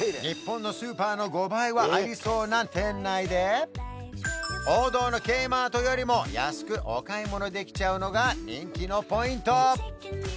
日本のスーパーの５倍はありそうな店内で王道のＫマートよりも安くお買い物できちゃうのが人気のポイント！